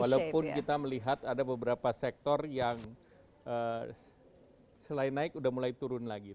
walaupun kita melihat ada beberapa sektor yang selain naik sudah mulai turun lagi